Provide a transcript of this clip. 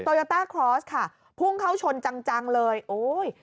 โยต้าคลอสค่ะพุ่งเข้าชนจังจังเลยโอ้ย